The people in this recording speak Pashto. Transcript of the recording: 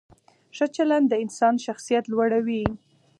ښه چلند د انسان شخصیت لوړوي.